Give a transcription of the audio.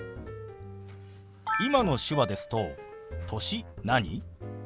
今の手話ですと「歳何？」